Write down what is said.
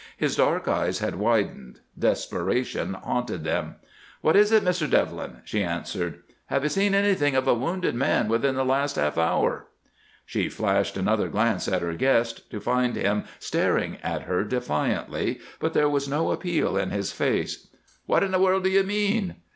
His dark eyes had widened; desperation haunted them. "What is it, Mr. Devlin?" she answered. "Have you seen anything of a wounded man within the last half hour?" She flashed another glance at her guest, to find him staring at her defiantly, but there was no appeal in his face. "What in the world do you mean?"